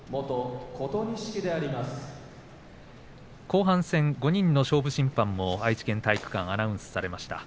後半戦５人の勝負審判も愛知県体育館、アナウンスされました。